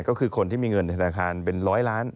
ก็คือคนที่มีเงินธนาคารเป็นร้อยล้าน